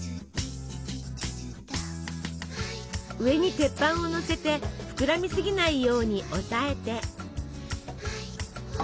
上に鉄板をのせて膨らみすぎないように押さえて。